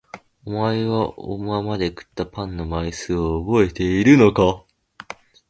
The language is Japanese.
おまえは今まで食ったパンの枚数をおぼえているのか？